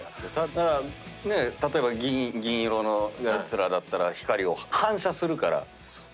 だから例えば銀色のやつらだったら光を反射するから。